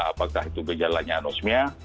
apakah itu gejalanya anosmia